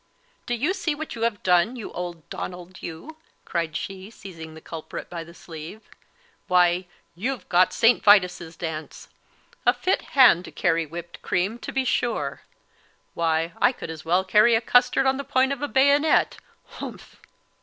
"Do you see what you have done, you old Donald, you?" cried she, seizing the culprit by the sleeve; "why, you've got St. Vitus's dance. A fit hand to carry whipt cream, to be sure! Why, I could as well carry a custard on the point of a bayonet humph!"